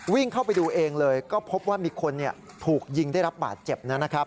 วิ่งเข้าไปดูเองเลยก็พบว่ามีคนถูกยิงได้รับบาดเจ็บนะครับ